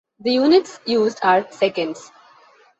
The units used are seconds.